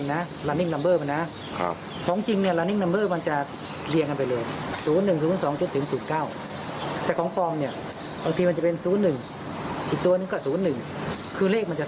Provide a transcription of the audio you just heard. นอนยันนั่งยันเราไม่มีที่เยื่อเม้นว่าเป็นของเจ้าที่ไปขายแล้วก็ตามไปจับ